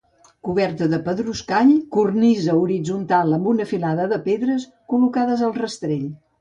Coberta de pedruscall, cornisa horitzontal amb una filada de pedres col·locades al rastell.